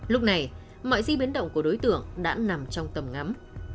lúc này mọi di biến động của đối tượng đã nằm trong tầm ngắm